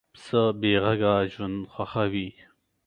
پسه بېغږه ژوند خوښوي.